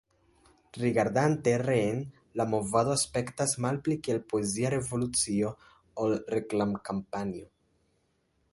Rigardante reen, la movado aspektas malpli kiel poezia revolucio ol reklam-kampanjo.